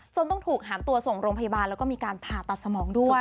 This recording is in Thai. ต้องถูกหามตัวส่งโรงพยาบาลแล้วก็มีการผ่าตัดสมองด้วย